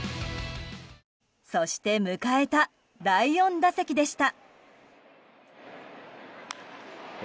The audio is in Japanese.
そして迎えた第４打席でした。